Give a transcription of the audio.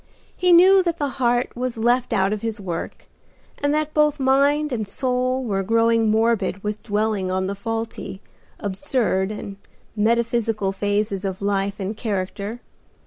He knew that the heart was left out of his work, and that both mind and soul were growing morbid with dwelling on the faulty, absurd and metaphysical phases of life and character.